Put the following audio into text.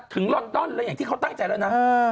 ถึงลอนดอนอย่างที่เขาตั้งใจแล้วนะ